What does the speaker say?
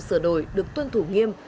sửa đổi được tuân thủ nghiêm